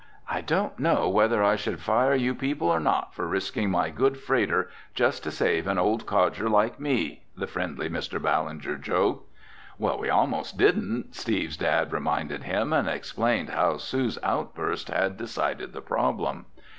"I don't know whether I should fire you people or not for risking my good freighter just to save an old codger like me!" the friendly Mr. Ballinger joked. "We almost didn't," Steve's dad reminded him and explained how Sue's outburst had decided the problem.